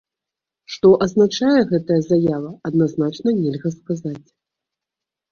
Што азначае гэтая заява, адназначна нельга сказаць.